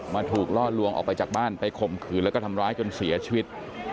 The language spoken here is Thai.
ถูกล่อลวงออกไปจากบ้านไปข่มขืนแล้วก็ทำร้ายจนเสียชีวิต